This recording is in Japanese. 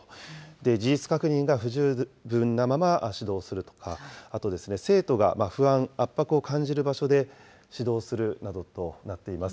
事実確認が不十分なまま指導するとか、あと、生徒が不安、圧迫を感じる場所で指導するなどとなっています。